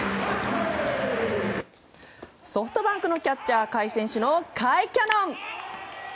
ソフトバンクのキャッチャー甲斐選手の甲斐キャノン。